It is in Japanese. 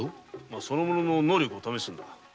その者の能力を試すんだ。